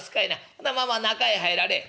ほなまあまあ中へ入られい」。